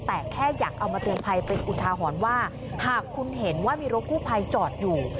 แต่แค่อยากเอามาเตือนภัยเป็นอุทาหรณ์ว่าหากคุณเห็นว่ามีรถกู้ภัยจอดอยู่